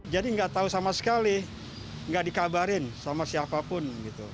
jadi nggak tahu sama sekali nggak dikabarin sama siapapun